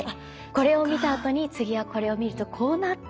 これを見たあとに次はこれを見るとこうなってるのかって。